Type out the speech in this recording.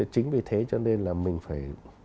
chính vì thế cho nên là mình phải